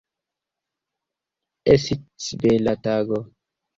Esits bela tago.